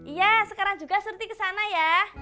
iya sekarang juga surti ke sana ya